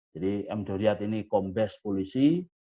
jadi m doriat ini kompes polisi